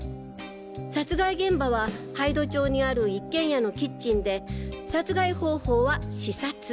殺害現場は杯戸町にある一軒家のキッチンで殺害方法は刺殺。